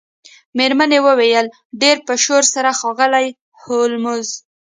میرمن وویل ډیر په شور سره ښاغلی هولمز